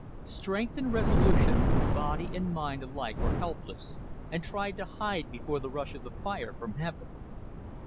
Strength and resolution, body and mind alike were helpless, and tried to hide before the rush of the fire from heaven.